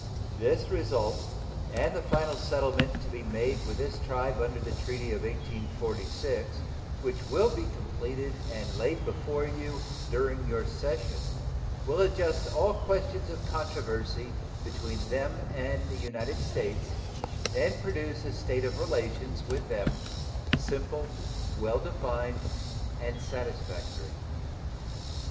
This result and the final settlement to be made with this tribe under the treaty of 1846, which will be completed and laid before you during your session, will adjust all questions of controversy between them and the United States and produce a state of relations with them simple, well defined, and satisfactory.